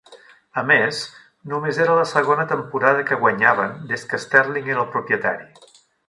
A més, només era la segona temporada que guanyaven des que Sterling era el propietari.